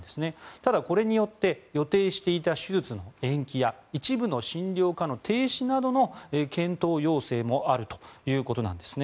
ただ、これによって予定していた手術の延期や一部の診療科の停止などの検討要請もあるということなんですね。